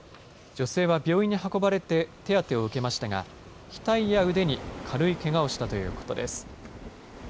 女性は病院に運ばれて手当てを受けましたが額や腕に軽いけがをしたということです。